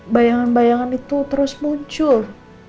bayangan bayangan itu terus muncul